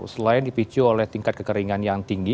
selain dipicu oleh tingkat kekeringan yang tinggi